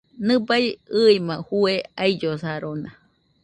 Nɨbaɨ ɨima fue aillosarona.